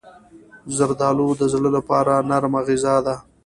زردالو د زړه لپاره نرم غذا ده.